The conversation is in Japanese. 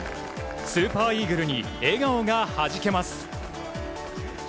スーパーイーグルに笑顔がはじけます。